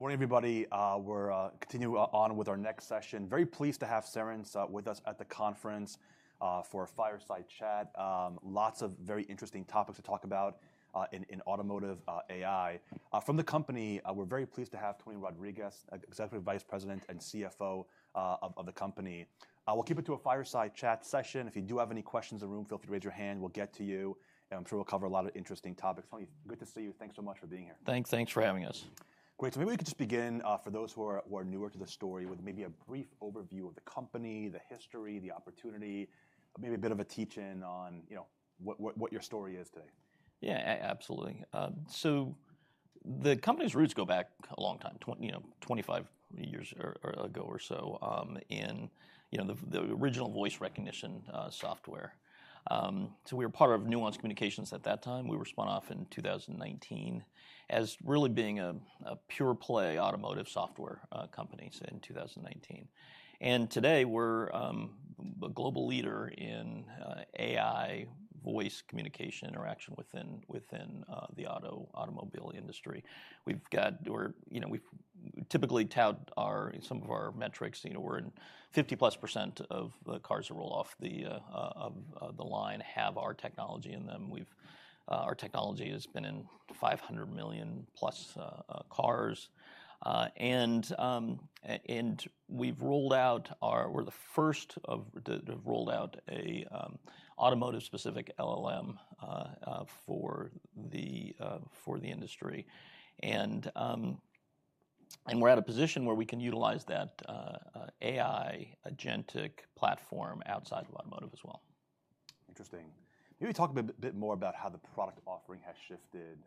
Morning, everybody. We're continuing on with our next session. Very pleased to have Cerence with us at the conference for a fireside chat. Lots of very interesting topics to talk about in automotive AI. From the company, we're very pleased to have Tony Rodriguez, Executive Vice President and CFO of the company. We'll keep it to a fireside chat session. If you do have any questions in the room, feel free to raise your hand. We'll get to you. I'm sure we'll cover a lot of interesting topics. Tony, good to see you. Thanks so much for being here. Thanks. Thanks for having us. Great. Maybe we could just begin, for those who are newer to the story, with maybe a brief overview of the company, the history, the opportunity, maybe a bit of a teach-in on what your story is today. Yeah, absolutely. The company's roots go back a long time, 25 years ago or so, in the original voice recognition software. We were part of Nuance Communications at that time. We were spun off in 2019 as really being a pure-play automotive software company in 2019. Today, we're a global leader in AI voice communication interaction within the automobile industry. We typically tout some of our metrics. We're in 50%+ of the cars that roll off the line have our technology in them. Our technology has been in 500 million+ cars. We've rolled out our, we're the first to have rolled out an automotive-specific LLM for the industry. We're at a position where we can utilize that AI agentic platform outside of automotive as well. Interesting. Maybe talk a bit more about how the product offering has shifted,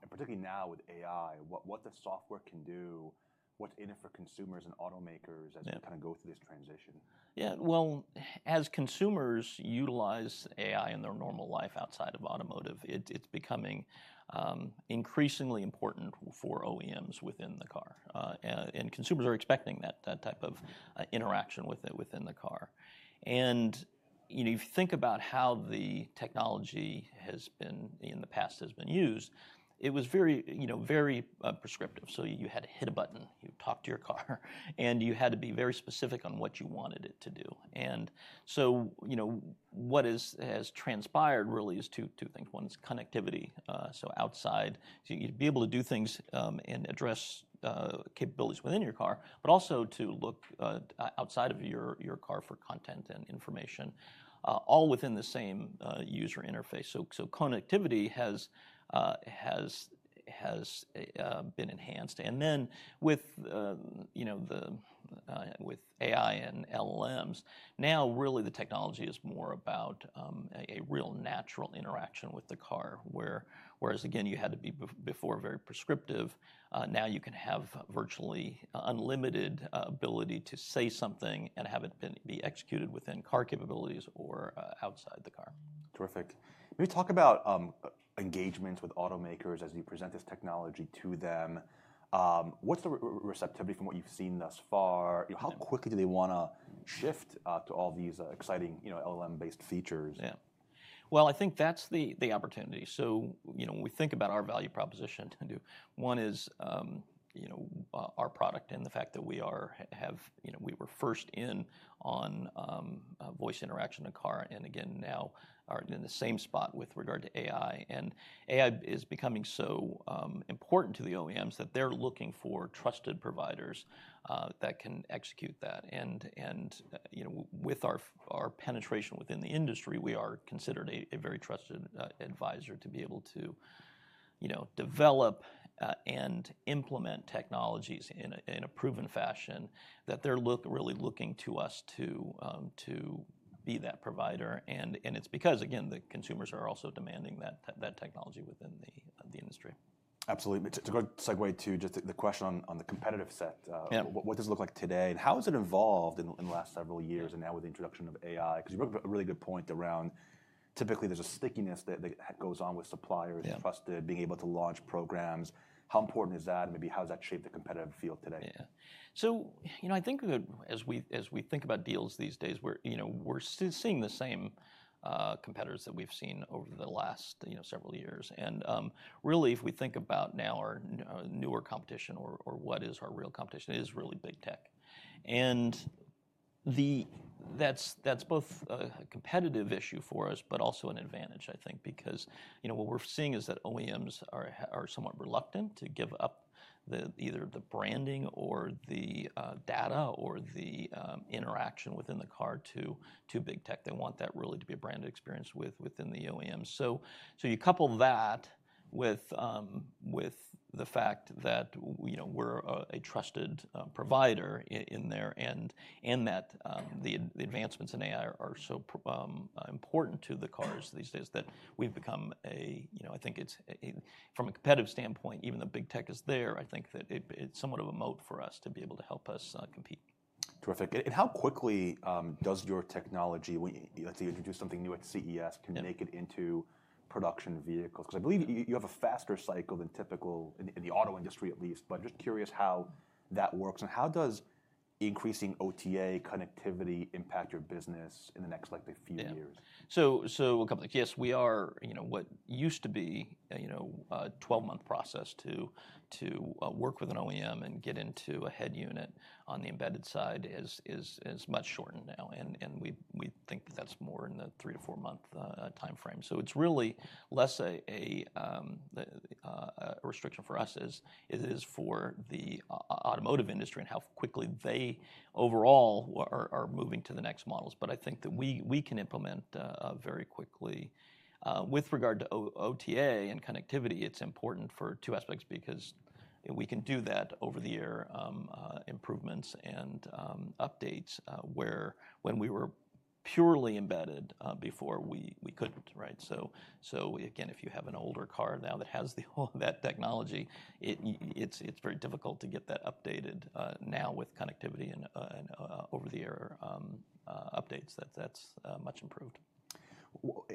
and particularly now with AI, what the software can do, what's in it for consumers and automakers as they kind of go through this transition. Yeah. As consumers utilize AI in their normal life outside of automotive, it's becoming increasingly important for OEMs within the car. Consumers are expecting that type of interaction with it within the car. You think about how the technology has been in the past, it was very prescriptive. You had to hit a button, you talk to your car, and you had to be very specific on what you wanted it to do. What has transpired really is two things. One is connectivity. Outside, you'd be able to do things and address capabilities within your car, but also to look outside of your car for content and information, all within the same user interface. Connectivity has been enhanced. With AI and LLMs, now really the technology is more about a real natural interaction with the car. Whereas, again, you had to be before very prescriptive. Now you can have virtually unlimited ability to say something and have it be executed within car capabilities or outside the car. Terrific. Maybe talk about engagements with automakers as you present this technology to them. What's the receptivity from what you've seen thus far? How quickly do they want to shift to all these exciting LLM-based features? Yeah. I think that's the opportunity. When we think about our value proposition, one is our product and the fact that we were first in on voice interaction in a car. Again, now are in the same spot with regard to AI. AI is becoming so important to the OEMs that they're looking for trusted providers that can execute that. With our penetration within the industry, we are considered a very trusted advisor to be able to develop and implement technologies in a proven fashion that they're really looking to us to be that provider. It's because, again, the consumers are also demanding that technology within the industry. Absolutely. To go segue to just the question on the competitive set, what does it look like today? And how has it evolved in the last several years and now with the introduction of AI? Because you brought up a really good point around typically there's a stickiness that goes on with suppliers, trusted, being able to launch programs. How important is that? And maybe how has that shaped the competitive field today? Yeah. I think as we think about deals these days, we're still seeing the same competitors that we've seen over the last several years. Really, if we think about now our newer competition or what is our real competition, it is really big tech. That's both a competitive issue for us, but also an advantage, I think, because what we're seeing is that OEMs are somewhat reluctant to give up either the branding or the data or the interaction within the car to big tech. They want that really to be a brand experience within the OEM. You couple that with the fact that we're a trusted provider in there and that the advancements in AI are so important to the cars these days that we've become a, I think it's from a competitive standpoint, even though big tech is there, I think that it's somewhat of a moat for us to be able to help us compete. Terrific. How quickly does your technology, let's say you introduce something new at CES, can make it into production vehicles? I believe you have a faster cycle than typical in the auto industry, at least. I am just curious how that works. How does increasing OTA connectivity impact your business in the next few years? Yeah. So a couple of things. Yes, we are what used to be a 12-month process to work with an OEM and get into a head unit on the embedded side is much shortened now. We think that that is more in the three- to four-month time frame. It is really less a restriction for us as it is for the automotive industry and how quickly they overall are moving to the next models. I think that we can implement very quickly. With regard to OTA and connectivity, it is important for two aspects because we can do that over-the-air improvements and updates where when we were purely embedded before, we could not. Again, if you have an older car now that has all of that technology, it is very difficult to get that updated. Now with connectivity and over-the-air updates, that is much improved.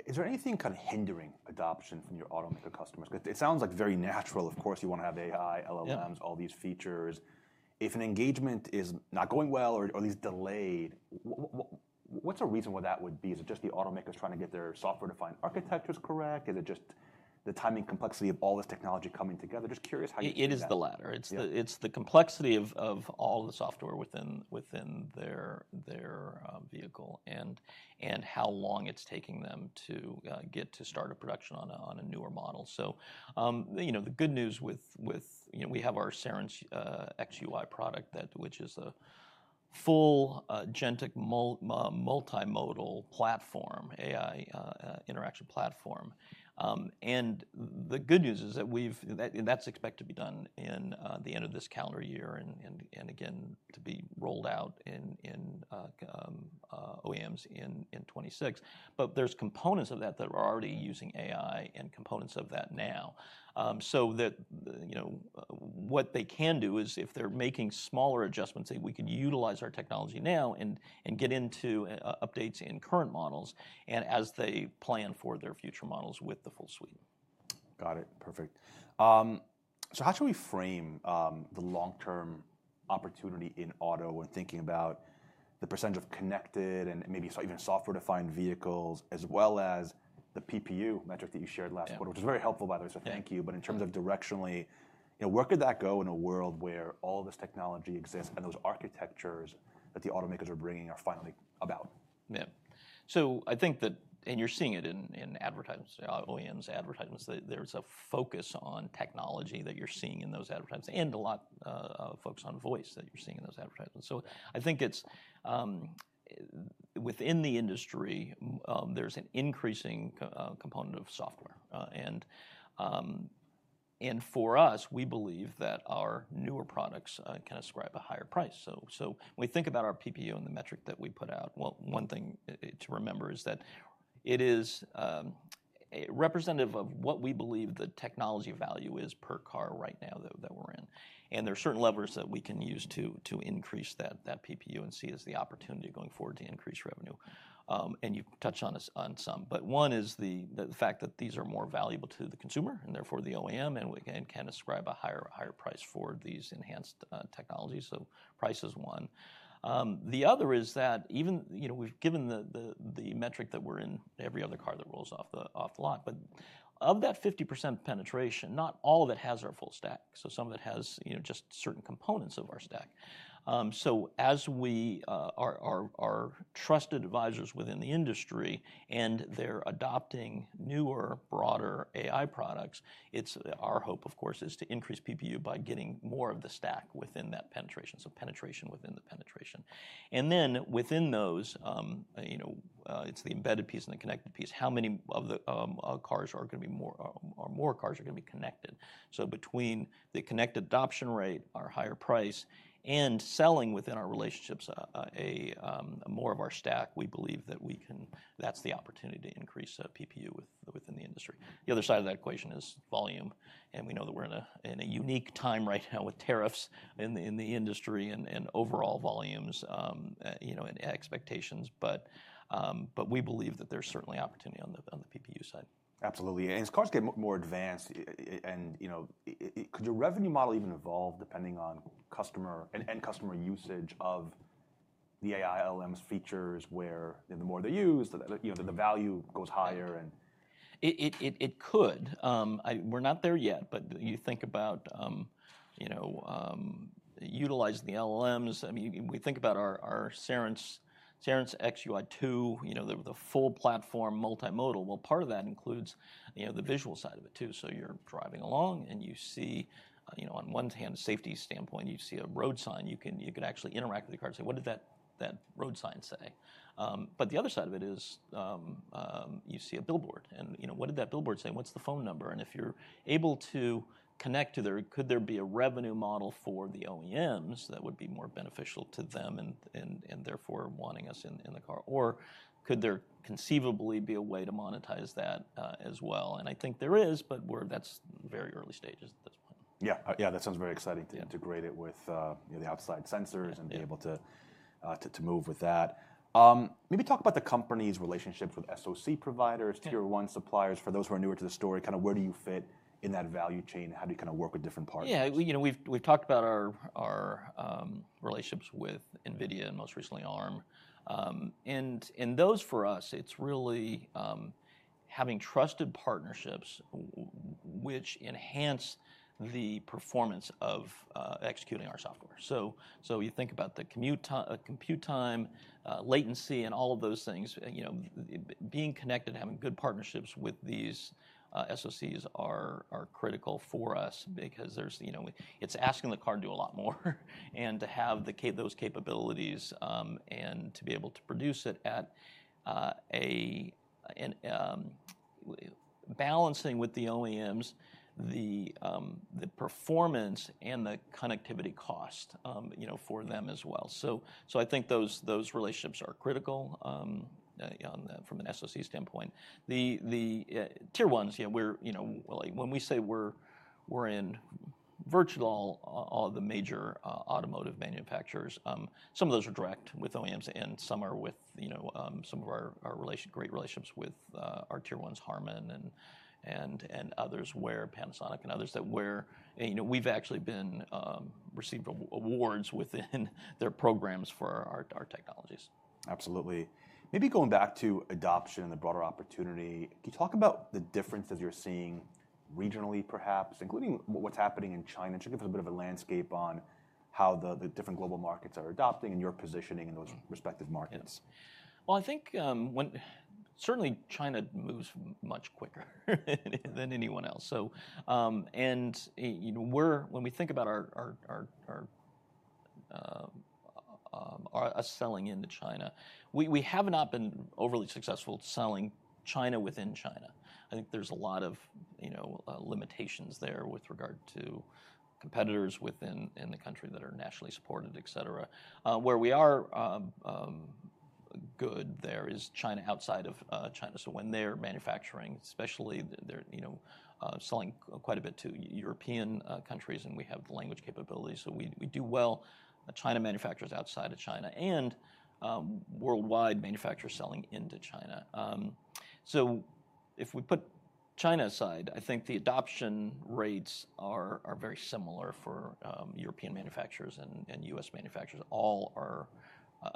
Is there anything kind of hindering adoption from your automaker customers? Because it sounds like very natural, of course, you want to have AI, LLMs, all these features. If an engagement is not going well or at least delayed, what's a reason why that would be? Is it just the automakers trying to get their software-defined architectures correct? Is it just the timing complexity of all this technology coming together? Just curious how you think. It is the latter. It's the complexity of all the software within their vehicle and how long it's taking them to get to start a production on a newer model. The good news is we have our Cerence xUI product, which is a full agentic multimodal platform, AI interaction platform. The good news is that we've that's expected to be done in the end of this calendar year and again, to be rolled out in OEMs in 2026. There are components of that that are already using AI and components of that now. What they can do is if they're making smaller adjustments, say, we can utilize our technology now and get into updates in current models and as they plan for their future models with the full suite. Got it. Perfect. How should we frame the long-term opportunity in auto when thinking about the percentage of connected and maybe even software-defined vehicles as well as the PPU metric that you shared last quarter, which is very helpful, by the way. Thank you. In terms of directionally, where could that go in a world where all this technology exists and those architectures that the automakers are bringing are finally about? Yeah. I think that, and you're seeing it in advertisements, OEMs' advertisements. There's a focus on technology that you're seeing in those advertisements and a lot of focus on voice that you're seeing in those advertisements. I think it's within the industry, there's an increasing component of software. For us, we believe that our newer products can ascribe a higher price. When we think about our PPU and the metric that we put out, one thing to remember is that it is representative of what we believe the technology value is per car right now that we're in. There are certain levers that we can use to increase that PPU and see as the opportunity going forward to increase revenue. You've touched on some. One is the fact that these are more valuable to the consumer and therefore the OEM and can ascribe a higher price for these enhanced technologies. Price is one. The other is that even we've given the metric that we're in every other car that rolls off the lot. Of that 50% penetration, not all of it has our full stack. Some of it has just certain components of our stack. As we are trusted advisors within the industry and they're adopting newer, broader AI products, our hope, of course, is to increase PPU by getting more of the stack within that penetration. Penetration within the penetration. Within those, it's the embedded piece and the connected piece. How many of the cars are going to be more cars are going to be connected? Between the connected adoption rate, our higher price, and selling within our relationships more of our stack, we believe that we can, that's the opportunity to increase PPU within the industry. The other side of that equation is volume. We know that we're in a unique time right now with tariffs in the industry and overall volumes and expectations. We believe that there's certainly opportunity on the PPU side. Absolutely. As cars get more advanced, could your revenue model even evolve depending on customer and customer usage of the AI LLMs features where the more they're used, the value goes higher? It could. We're not there yet. You think about utilizing the LLMs. I mean, we think about our Cerence xUI too, the full platform multimodal. Part of that includes the visual side of it too. You're driving along and you see on one hand, safety standpoint, you see a road sign. You can actually interact with the car and say, what did that road sign say? The other side of it is you see a billboard. What did that billboard say? What's the phone number? If you're able to connect to there, could there be a revenue model for the OEMs that would be more beneficial to them and therefore wanting us in the car? Could there conceivably be a way to monetize that as well? I think there is, but that's very early stages at this point. Yeah. Yeah, that sounds very exciting to integrate it with the outside sensors and be able to move with that. Maybe talk about the company's relationships with SOC providers, tier one suppliers. For those who are newer to the story, kind of where do you fit in that value chain? How do you kind of work with different partners? Yeah. We've talked about our relationships with NVIDIA and most recently Arm. In those, for us, it's really having trusted partnerships which enhance the performance of executing our software. You think about the compute time, latency, and all of those things. Being connected and having good partnerships with these SOCs are critical for us because it's asking the car to do a lot more and to have those capabilities and to be able to produce it at a balancing with the OEMs, the performance and the connectivity cost for them as well. I think those relationships are critical from an SOC standpoint. Tier ones, when we say we're in virtually all the major automotive manufacturers, some of those are direct with OEMs and some are with some of our great relationships with our tier ones, Harman and others where Panasonic and others that we've actually received awards within their programs for our technologies. Absolutely. Maybe going back to adoption and the broader opportunity, can you talk about the differences you're seeing regionally, perhaps, including what's happening in China? Just give us a bit of a landscape on how the different global markets are adopting and your positioning in those respective markets. Yeah. I think certainly China moves much quicker than anyone else. When we think about us selling into China, we have not been overly successful selling China within China. I think there's a lot of limitations there with regard to competitors within the country that are nationally supported, et cetera. Where we are good there is China outside of China. When they're manufacturing, especially they're selling quite a bit to European countries and we have the language capabilities. We do well. China manufacturers outside of China and worldwide manufacturers selling into China. If we put China aside, I think the adoption rates are very similar for European manufacturers and U.S. manufacturers. All are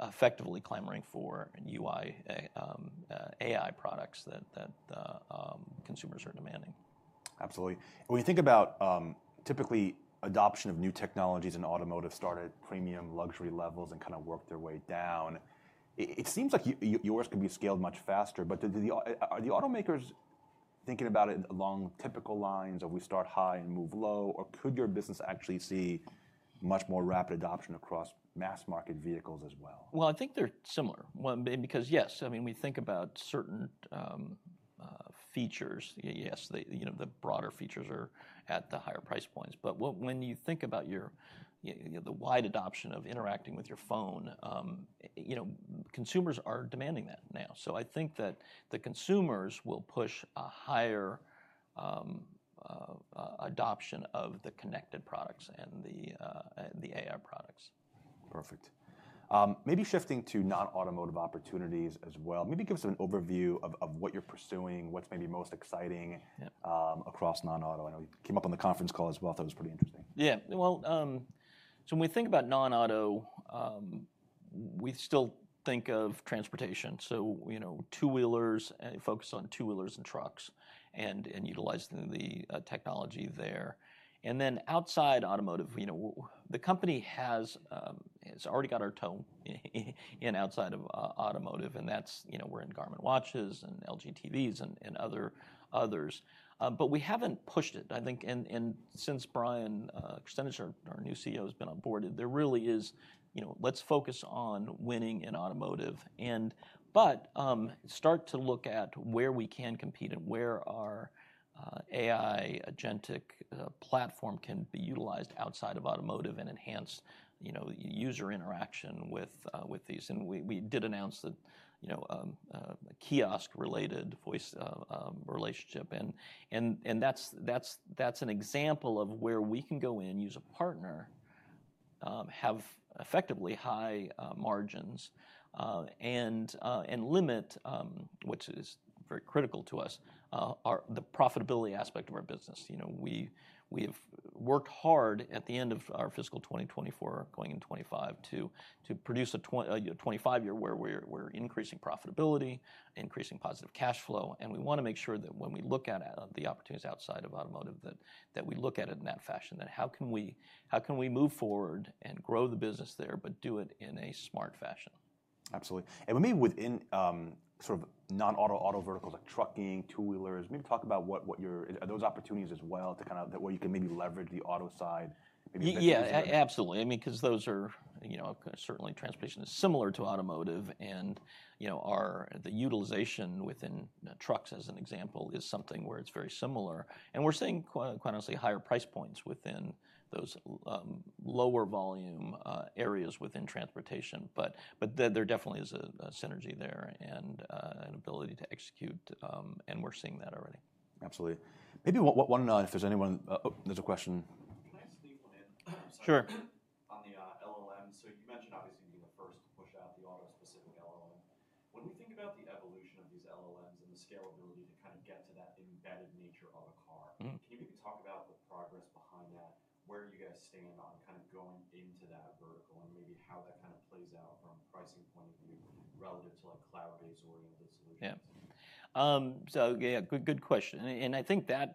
effectively clamoring for UI, AI products that consumers are demanding. Absolutely. When you think about typically adoption of new technologies in automotive started at premium luxury levels and kind of worked their way down, it seems like yours could be scaled much faster. Are the automakers thinking about it along typical lines of we start high and move low? Or could your business actually see much more rapid adoption across mass market vehicles as well? I think they're similar. Because yes, I mean, we think about certain features. Yes, the broader features are at the higher price points. But when you think about the wide adoption of interacting with your phone, consumers are demanding that now. I think that the consumers will push a higher adoption of the connected products and the AI products. Perfect. Maybe shifting to non-automotive opportunities as well. Maybe give us an overview of what you're pursuing, what's maybe most exciting across non-auto. I know you came up on the conference call as well. I thought it was pretty interesting. Yeah. When we think about non-auto, we still think of transportation. Two-wheelers, focus on two-wheelers and trucks and utilizing the technology there. Outside automotive, the company has already got our toe in outside of automotive. That's we're in Garmin watches and LG TVs and others. We haven't pushed it. I think since Brian Krzanich, our new CEO, has been on board, there really is let's focus on winning in automotive. Start to look at where we can compete and where our AI agentic platform can be utilized outside of automotive and enhance user interaction with these. We did announce the kiosk-related voice relationship. That's an example of where we can go in, use a partner, have effectively high margins, and limit, which is very critical to us, the profitability aspect of our business. We have worked hard at the end of our fiscal 2024, going in 2025, to produce a 2025 year where we're increasing profitability, increasing positive cash flow. We want to make sure that when we look at the opportunities outside of automotive, that we look at it in that fashion. That how can we move forward and grow the business there, but do it in a smart fashion? Absolutely. Maybe within sort of non-auto, auto verticals, like trucking, two-wheelers, maybe talk about what your are those opportunities as well to kind of where you can maybe leverage the auto side? Yeah, absolutely. I mean, because those are certainly transportation is similar to automotive. The utilization within trucks, as an example, is something where it's very similar. We're seeing, quite honestly, higher price points within those lower volume areas within transportation. There definitely is a synergy there and an ability to execute. We're seeing that already. Absolutely. Maybe one if there's anyone, there's a question. Can I just leave one in? Sure. On the LLMs. You mentioned obviously being the first to push out the auto-specific LLM. When we think about the evolution of these LLMs and the scalability to kind of get to that embedded nature of a car, can you maybe talk about the progress behind that? Where do you guys stand on kind of going into that vertical and maybe how that kind of plays out from a pricing point of view relative to cloud-based oriented solutions? Yeah. Good question. I think that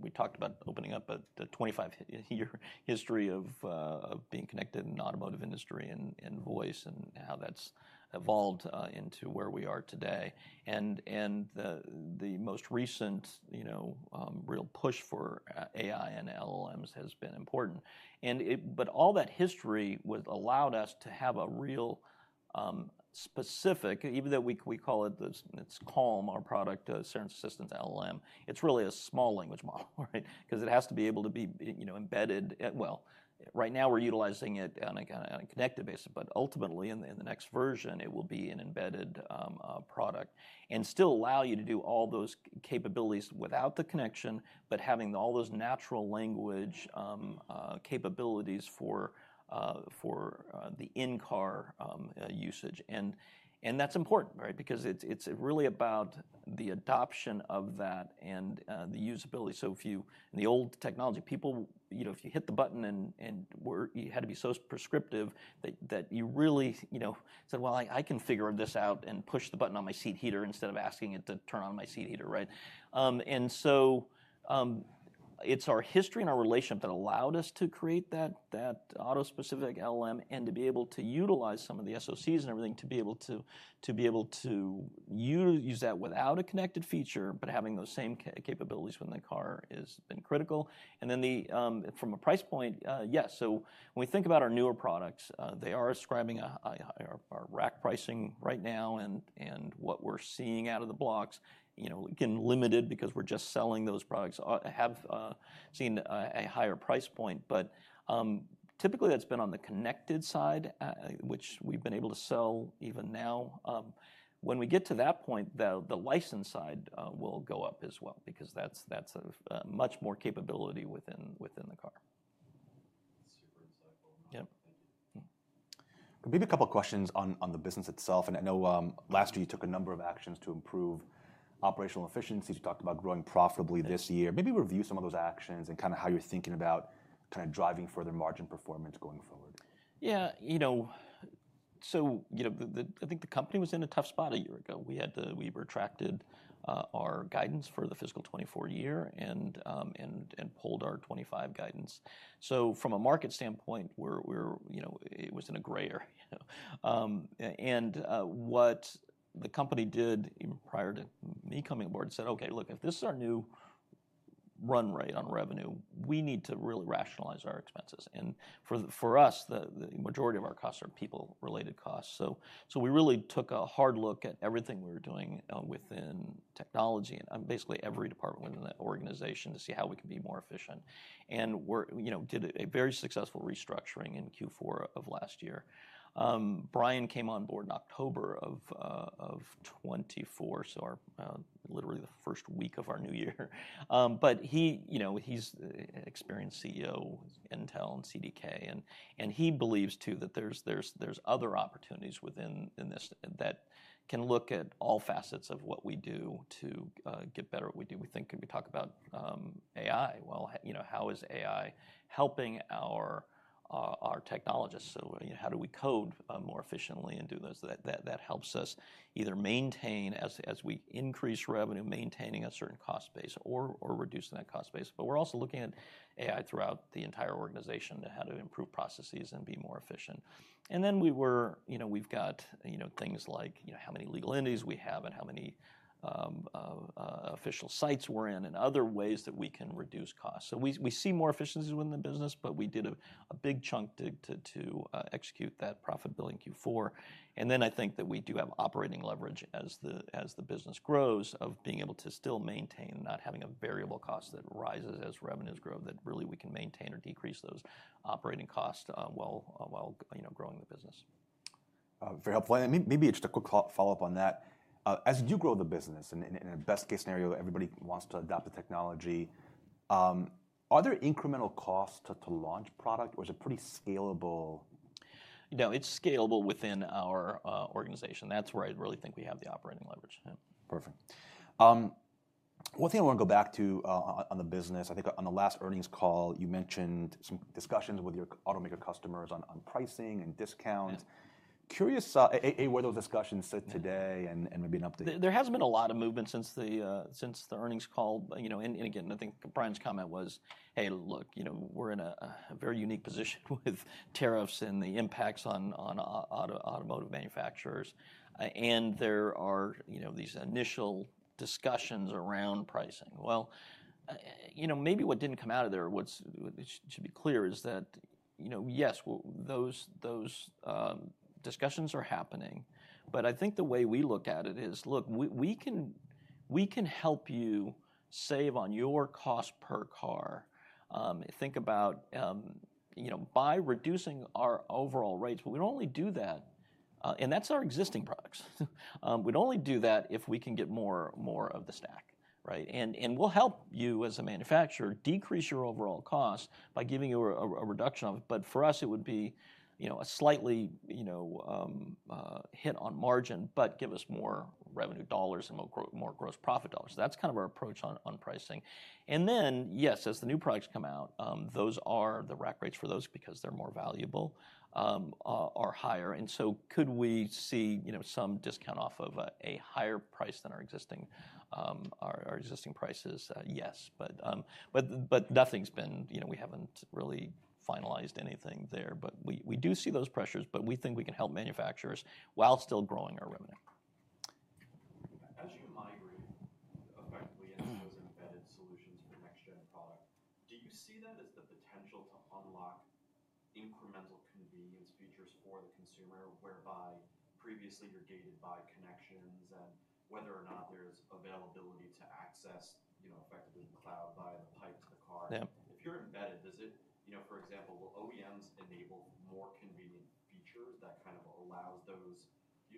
we talked about opening up the 25-year history of being connected in the automotive industry and voice and how that has evolved into where we are today. The most recent real push for AI and LLMs has been important. All that history allowed us to have a real specific, even though we call it, it is called our product, Cerence Assistance LLM, it is really a small language model, right? Because it has to be able to be embedded. Right now we are utilizing it on a connected basis. Ultimately, in the next version, it will be an embedded product and still allow you to do all those capabilities without the connection, but having all those natural language capabilities for the in-car usage. That is important, right? Because it is really about the adoption of that and the usability. If you in the old technology, people, if you hit the button and you had to be so prescriptive that you really said, well, I can figure this out and push the button on my seat heater instead of asking it to turn on my seat heater, right? It is our history and our relationship that allowed us to create that auto-specific LLM and to be able to utilize some of the SOCs and everything to be able to use that without a connected feature, but having those same capabilities when the car has been critical. From a price point, yes. When we think about our newer products, they are ascribing a higher rack pricing right now. What we are seeing out of the blocks, again, limited because we are just selling those products, have seen a higher price point. Typically, that's been on the connected side, which we've been able to sell even now. When we get to that point, the license side will go up as well because that's a much more capability within the car. That's super insightful. Yep. Maybe a couple of questions on the business itself. I know last year you took a number of actions to improve operational efficiency. You talked about growing profitably this year. Maybe review some of those actions and kind of how you're thinking about kind of driving further margin performance going forward. Yeah. I think the company was in a tough spot a year ago. We retracted our guidance for the fiscal 2024 year and pulled our 2025 guidance. From a market standpoint, it was in a gray area. What the company did prior to me coming aboard said, okay, look, if this is our new run rate on revenue, we need to really rationalize our expenses. For us, the majority of our costs are people-related costs. We really took a hard look at everything we were doing within technology and basically every department within that organization to see how we can be more efficient and did a very successful restructuring in Q4 of last year. Brian came on board in October of 2024, literally the first week of our new year. He's an experienced CEO, Intel and CDK. He believes too that there are other opportunities within this that can look at all facets of what we do to get better at what we do. We think we talk about AI. How is AI helping our technologists? How do we code more efficiently and do those? That helps us either maintain, as we increase revenue, maintaining a certain cost base or reducing that cost base. We are also looking at AI throughout the entire organization to see how to improve processes and be more efficient. We have things like how many legal entities we have and how many official sites we are in and other ways that we can reduce costs. We see more efficiencies within the business, but we did a big chunk to execute that profitability in Q4. I think that we do have operating leverage as the business grows of being able to still maintain, not having a variable cost that rises as revenues grow, that really we can maintain or decrease those operating costs while growing the business. Very helpful. Maybe just a quick follow-up on that. As you grow the business, in a best case scenario, everybody wants to adopt the technology. Are there incremental costs to launch product or is it pretty scalable? No, it's scalable within our organization. That's where I really think we have the operating leverage. Perfect. One thing I want to go back to on the business. I think on the last earnings call, you mentioned some discussions with your automaker customers on pricing and discounts. Curious where those discussions sit today and maybe an update. There has not been a lot of movement since the earnings call. Again, I think Brian's comment was, hey, look, we are in a very unique position with tariffs and the impacts on automotive manufacturers. There are these initial discussions around pricing. What did not come out of there, which should be clear, is that yes, those discussions are happening. I think the way we look at it is, look, we can help you save on your cost per car. Think about by reducing our overall rates, but we do not only do that. That is our existing products. We would only do that if we can get more of the stack, right? We will help you as a manufacturer decrease your overall cost by giving you a reduction of it. For us, it would be a slight hit on margin, but give us more revenue dollars and more gross profit dollars. That is kind of our approach on pricing. Yes, as the new products come out, those are the rack rates for those because they are more valuable and are higher. Could we see some discount off of a higher price than our existing prices? Yes. Nothing has been, we have not really finalized anything there. We do see those pressures, but we think we can help manufacturers while still growing our revenue. As you migrate effectively into those embedded solutions for next-gen product, do you see that as the potential to unlock incremental convenience features for the consumer whereby previously you're gated by connections and whether or not there's availability to access effectively the cloud via the pipe to the car? If you're embedded, does it, for example, will OEMs enable more convenient features that kind of allows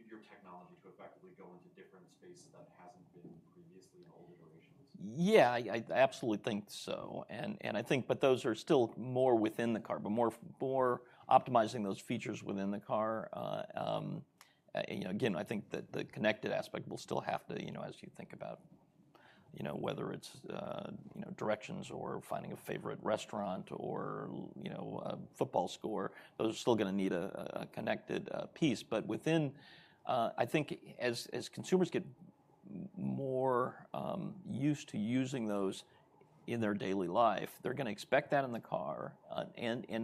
your technology to effectively go into different spaces that hasn't been previously in old iterations? Yeah, I absolutely think so. Those are still more within the car, but more optimizing those features within the car. Again, I think that the connected aspect will still have to, as you think about whether it's directions or finding a favorite restaurant or a football score, those are still going to need a connected piece. Within, I think as consumers get more used to using those in their daily life, they're going to expect that in the car.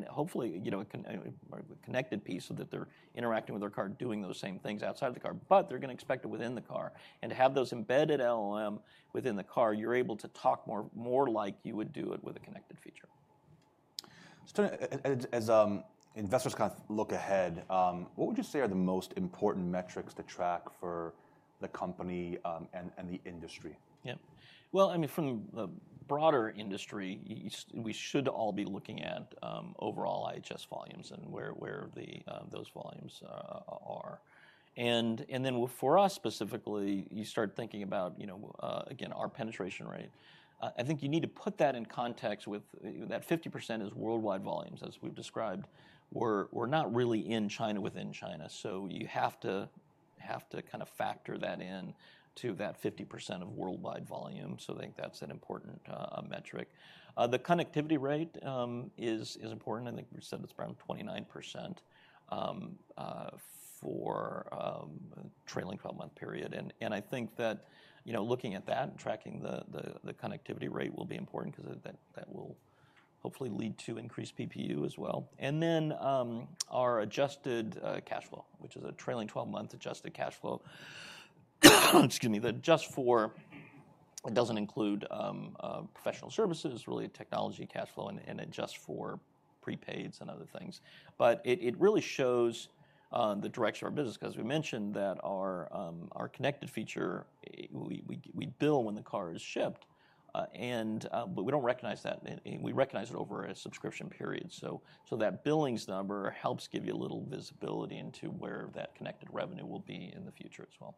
Hopefully a connected piece so that they're interacting with their car, doing those same things outside of the car. They're going to expect it within the car. To have those embedded LLM within the car, you're able to talk more like you would do it with a connected feature. As investors kind of look ahead, what would you say are the most important metrics to track for the company and the industry? Yeah. I mean, from the broader industry, we should all be looking at overall IHS volumes and where those volumes are. For us specifically, you start thinking about, again, our penetration rate. I think you need to put that in context with that 50% is worldwide volumes, as we've described. We're not really in China within China. You have to kind of factor that into that 50% of worldwide volume. I think that's an important metric. The connectivity rate is important. I think we said it's around 29% for a trailing 12-month period. I think that looking at that and tracking the connectivity rate will be important because that will hopefully lead to increased PPU as well. Our adjusted cash flow, which is a trailing 12-month adjusted cash flow. Excuse me. The adjust for it doesn't include professional services, really technology cash flow, and adjust for prepaids and other things. It really shows the direction of our business because we mentioned that our connected feature, we bill when the car is shipped, but we don't recognize that. We recognize it over a subscription period. That billings number helps give you a little visibility into where that connected revenue will be in the future as well.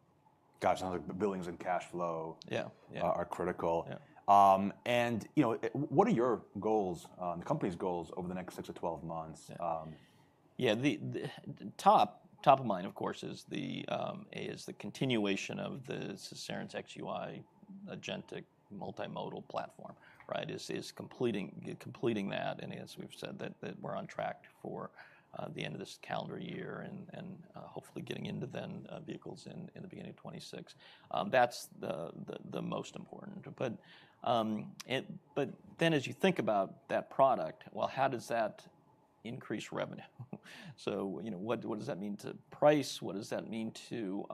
Gotcha. The billings and cash flow are critical. What are your goals, the company's goals over the next six to 12 months? Yeah. Top of mind, of course, is the continuation of the Cerence xUI agentic multimodal platform, right? Is completing that. As we've said, we're on track for the end of this calendar year and hopefully getting into then vehicles in the beginning of 2026. That's the most important. As you think about that product, how does that increase revenue? What does that mean to price? What does that mean to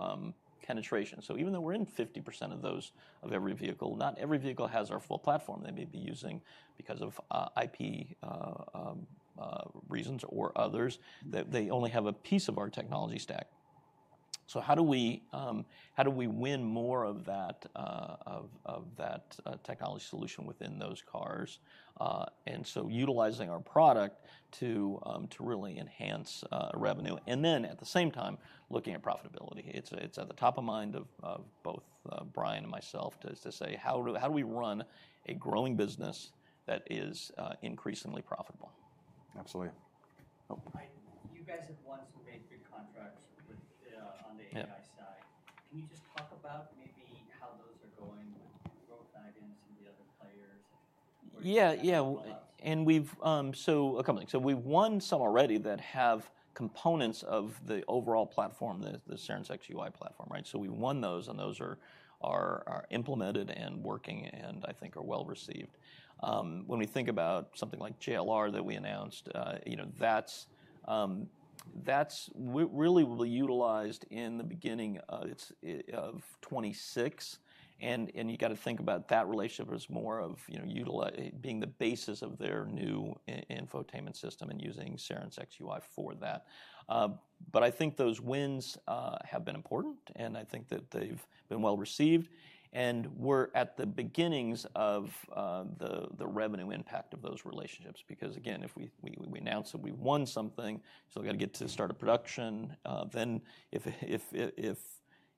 penetration? Even though we're in 50% of every vehicle, not every vehicle has our full platform. They may be using, because of IP reasons or others, only a piece of our technology stack. How do we win more of that technology solution within those cars? Utilizing our product to really enhance revenue. At the same time, looking at profitability. It's at the top of mind of both Brian and myself to say, how do we run a growing business that is increasingly profitable? Absolutely. You guys have won some very big contracts on the AI side. Can you just talk about maybe how those are going with Growth Guidance and the other players? Yeah, yeah. And we've, so a couple of things. We've won some already that have components of the overall platform, the Cerence xUI platform, right? We've won those and those are implemented and working and I think are well received. When we think about something like JLR that we announced, that's really utilized in the beginning of 2026. You got to think about that relationship as more of being the basis of their new infotainment system and using Cerence xUI for that. I think those wins have been important and I think that they've been well received. We're at the beginnings of the revenue impact of those relationships because again, if we announce that we've won something, we got to get to start a production. If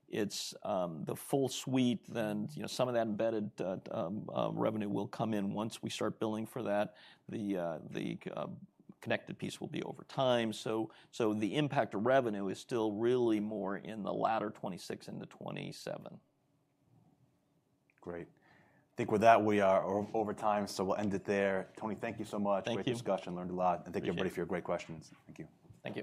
it's the full suite, then some of that embedded revenue will come in once we start billing for that. The connected piece will be over time. The impact of revenue is still really more in the latter 2026 into 2027. Great. I think with that, we are over time. So we'll end it there. Tony, thank you so much. Great discussion. Learned a lot. And thank you, everybody, for your great questions. Thank you. Thank you.